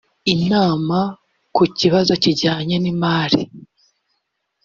inama ku kibazo kijyanye n’ imari